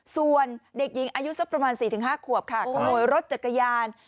ส่วนเด็กหญิงอายุสักประมาณ๔๕ขวบค่ะขโมยรถจักรยาน